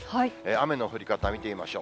雨の降り方、見てみましょう。